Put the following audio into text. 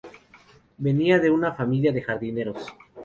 Venía de una familia de jardineros.